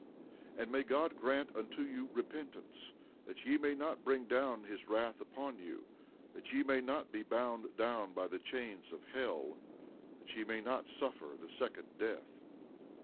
13:30 And may the Lord grant unto you repentance, that ye may not bring down his wrath upon you, that ye may not be bound down by the chains of hell, that ye may not suffer the second death.